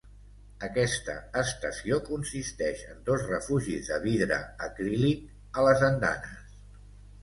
Aquesta estació consisteix en dos refugis de vidre acrílic a les andanes.